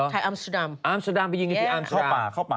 ถ่ายอัมสุดำ